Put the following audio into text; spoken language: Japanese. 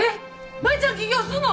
舞ちゃん起業すんの！？